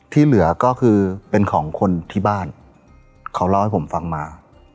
ที่เหลือก็คือเป็นของคนที่บ้านเขาเล่าให้ผมฟังมา